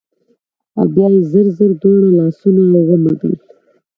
او بيا يې زر زر دواړه لاسونه ومږل